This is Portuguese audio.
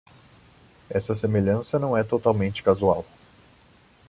Essa semelhança não é totalmente casual.